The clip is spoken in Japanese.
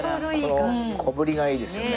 この小ぶりがいいですよね。